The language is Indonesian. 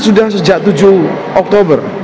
sudah sejak tujuh oktober